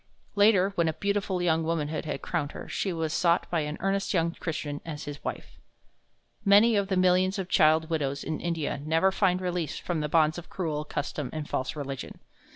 Later, when a beautiful young womanhood had crowned her, she was sought by an earnest young Christian as his wife. Many of the millions of the child widows in India never find release from the bonds of cruel custom and false religion.